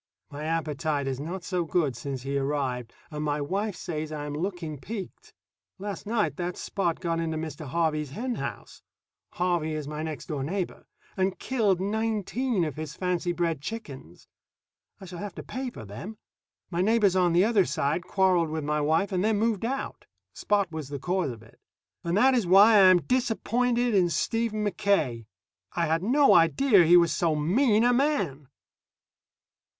My appetite is not so good since he arrived, and my wife says I am looking peaked. Last night that Spot got into Mr. Harvey's hen house (Harvey is my next door neighbor) and killed nineteen of his fancy bred chickens. I shall have to pay for them. My neighbors on the other side quarreled with my wife and then moved out. Spot was the cause of it. And that is why I am disappointed in Stephen Mackaye. I had no idea he was so mean a man.